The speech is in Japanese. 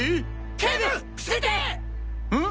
警部伏せてっ！！